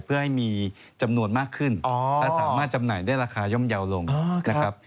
เพื่อให้มีจำนวนมากขึ้นและสามารถจำหน่ายได้ราคาย่อมเยาว์ลงนะครับ